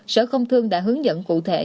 sở công thương đã hướng dẫn cụ thể